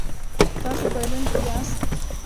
تاسو بایلونکی یاست